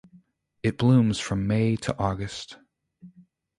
It blooms from May to August.